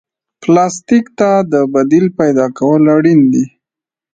پلاستيک ته د بدیل پیدا کول اړین دي.